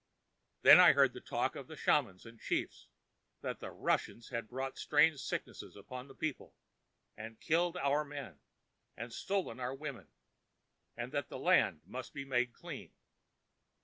"Then I heard the talk of the shamans and chiefs that the Russians had brought strange sicknesses upon the people, and killed our men, and stolen our women, and that the land must be made clean.